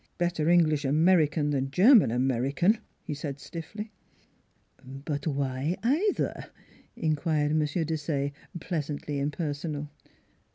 " Better English American than German American," he said stiffly. " But why either? " inquired M. Desaye, pleas antly impersonal.